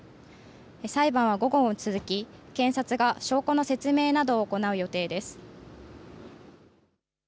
裁判は午後も続き、検察が証拠の説明などを行う予定です。